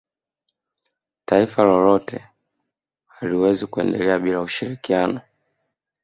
taifa lolote haliwezi kuendelea bila ushirikiano